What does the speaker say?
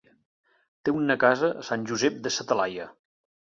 Té una casa a Sant Josep de sa Talaia.